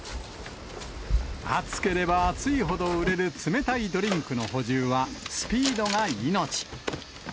暑ければ暑いほど売れる冷たいドリンクの補充は、スピードが命。